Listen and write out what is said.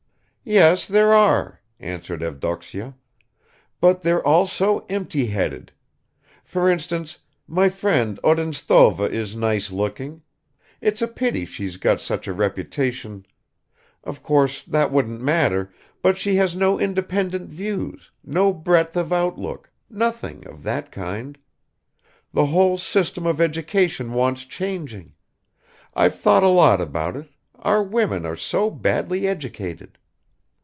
"Yes, there are," answered Evdoksya, "but they're all so empty headed. For instance, my friend Odintsova is nice looking. It's a pity she's got such a reputation ... Of course that wouldn't matter, but she has no independent views, no breadth of outlook, nothing ... of that kind. The whole system of education wants changing. I've thought a lot about it; our women are so badly educated."